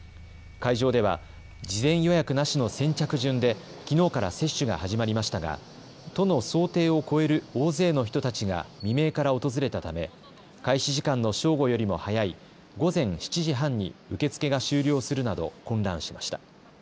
会場では事前予約なしの先着順できのうから接種が始まりましたが都の想定を超える大勢の人たちが未明から訪れたため開始時間の正午よりも早い午前７時半に受け付けが終了するなど混乱しました。